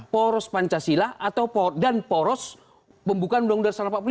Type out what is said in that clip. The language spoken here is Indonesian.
poros pancasila dan poros pembukaan undang undang sarawak v